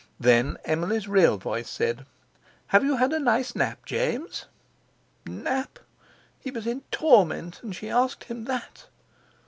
Then Emily's real voice said: "Have you had a nice nap, James?" Nap! He was in torment, and she asked him that!